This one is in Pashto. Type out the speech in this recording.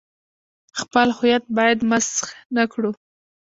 خپل هویت باید مسخ نه کړو.